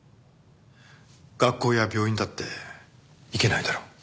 学校や病院だって行けないだろ。